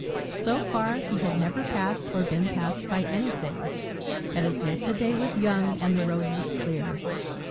So far he had never passed or been passed by anything, but as yet the day was young and the road was clear.